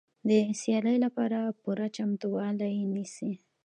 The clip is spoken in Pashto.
د سیالۍ لپاره پوره چمتووالی نیسي.